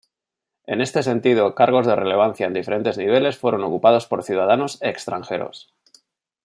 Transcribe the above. En este sentido, cargos de relevancia en diferentes niveles fueron ocupados por ciudadanos extranjeros.